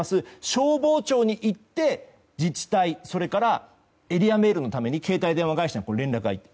消防庁に行って自治体エリアメールのために携帯電話会社に連絡がいく。